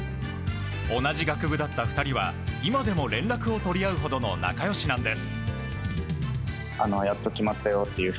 同じ学部だった２人は今でも連絡を取り合うほどの仲良しなんです。